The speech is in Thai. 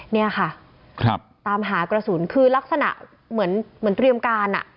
เนี่ยค่ะตามหากระสุนคือลักษณะเหมือนเตรียมการอ่ะ